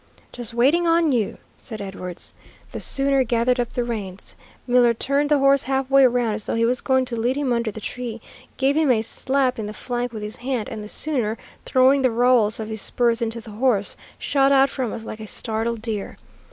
"Just waiting on you," said Edwards. The sooner gathered up the reins. Miller turned the horse halfway round as though he was going to lead him under the tree, gave him a slap in the flank with his hand, and the sooner, throwing the rowels of his spurs into the horse, shot out from us like a startled deer.